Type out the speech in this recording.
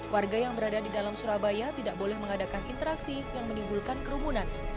warga yang berada di dalam surabaya tidak boleh mengadakan interaksi yang menimbulkan kerumunan